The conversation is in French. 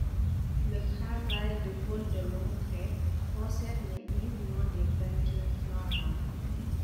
Le travail de Paul de Longpré concernait uniquement des peintures florales.